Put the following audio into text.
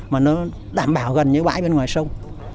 mà nó đảm bảo gần như bãi bên ngoài sông